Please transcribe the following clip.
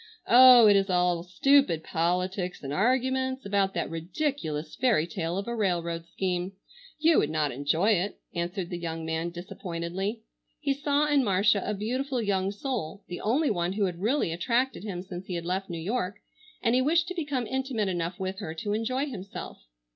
"Oh, it is all stupid politics and arguments about that ridiculous fairy tale of a railroad scheme. You would not enjoy it," answered the young man disappointedly. He saw in Marcia a beautiful young soul, the only one who had really attracted him since he had left New York, and he wished to become intimate enough with her to enjoy himself.